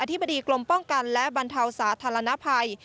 ธิบดีกรมป้องกันและบรรเทาสาธารณภัย